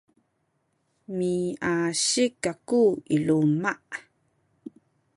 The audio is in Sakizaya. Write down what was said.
miasik kaku i luma’.